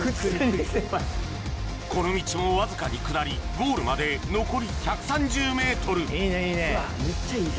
この道もわずかに下りゴールまで残り１３０ｍいいねいいね。